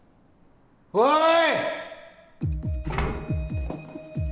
おい！